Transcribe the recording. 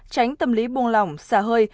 tránh tâm lý buông lỏng xa hơi